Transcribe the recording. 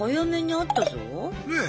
ねえ！